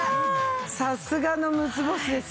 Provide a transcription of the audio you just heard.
さすがの６つ星ですよ。